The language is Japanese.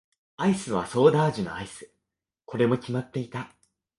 アイスはソーダ味のアイス。これも決まっていた。